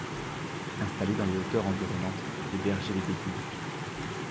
Installés dans les hauteurs environnantes, des bergers les découvrent.